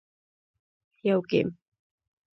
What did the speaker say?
- یو ګېم 🎮